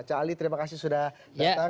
cah ali terima kasih sudah datang